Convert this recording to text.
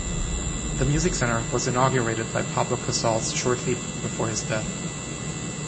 The music center was inaugurated by Pablo Casals shortly before his death.